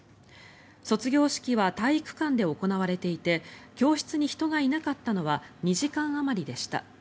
卒業式は体育館で行われていて教室に人がいなかったのは２時間あまりでした。